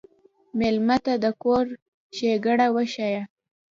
مېلمه ته د کور ښيګڼه وښیه.